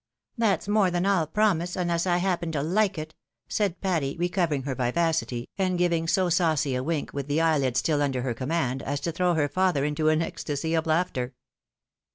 " That's more than I'll promise, unless I happen to Hke it," said Patty, recovering her vivacity, and giving so saucy a wink with the eyelid still under her command, as to throw her father into an ecstasy of laughter.